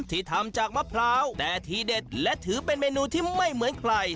ที่ทำจากมะพร้าวแต่ทีเด็ดและถือเป็นเมนูที่ไม่เหมือนใคร